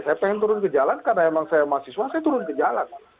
saya pengen turun ke jalan karena emang saya mahasiswa saya turun ke jalan